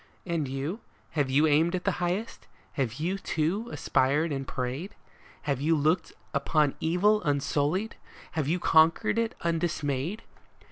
And you ? Have you aimed at the highest ? Have you, too, aspired and prayed ? Have you looked upon evil unsullied ? have you conquered it undismayed